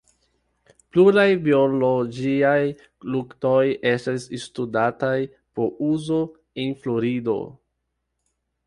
Pluraj biologiaj luktoj estas studataj por uzo en Florido.